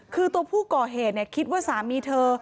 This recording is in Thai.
คือตัวผู้ก่อเหตุคิดว่าสามีเธอ